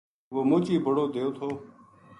وہ مچ ہی بڑو دیو تھو